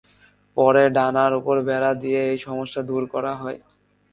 পরে ডানার উপর বেড়া দিয়ে এই সমস্যা দূর করা হয়।